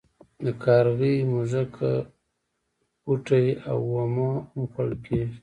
د کارغي مښوکه بوټی اومه هم خوړل کیږي.